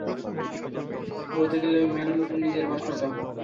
বলতে গেলে ম্যারোনির নিজের বাসা ওটা।